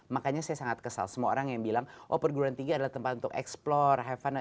makanya saya sangat kesal semua orang yang bilang oh perguruan tinggi adalah tempat untuk eksplore haven